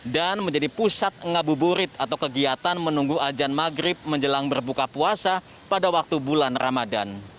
menjadi pusat ngabuburit atau kegiatan menunggu ajan maghrib menjelang berbuka puasa pada waktu bulan ramadan